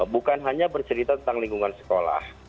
bukan hanya bercerita tentang lingkungan sekolah